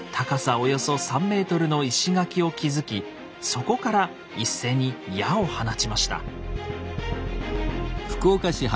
およそ３ｍの石垣を築きそこから一斉に矢を放ちました。